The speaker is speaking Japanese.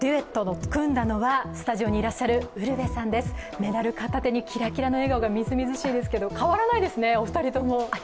メダル片手にキラキラの笑顔がみずみずしいですけど変わらないですね、お二人とも。